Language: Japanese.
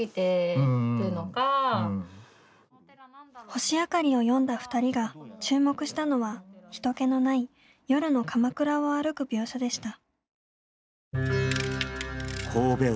「星あかり」を読んだ２人が注目したのは人けのない夜の鎌倉を歩く描写でした。